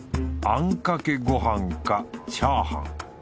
あんかけごはんかチャーハン。